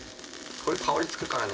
これ香りつくからね。